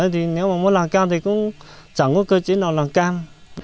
thì nếu mà muốn làm cam thì cũng chẳng có cơ chế nào làm cam